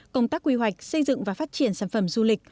công tác quy hoạch xây dựng và phát triển sản phẩm du lịch